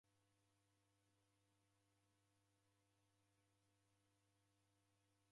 Naw'ekama ng'ombe rapo.